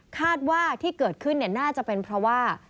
คาดว่าที่เกิดขึ้นน่าจะเป็นเพราะว่า